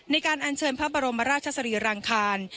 อันเชิญพระบรมราชสรีรังคาร